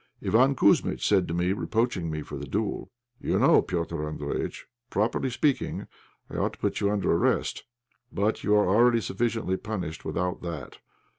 Iván Kouzmitch said to me, reproaching me for the duel "You know, Petr' Andréjïtch, properly speaking, I ought to put you under arrest; but you are already sufficiently punished without that.